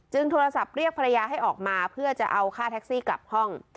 โทรศัพท์เรียกภรรยาให้ออกมาเพื่อจะเอาค่าแท็กซี่กลับห้อง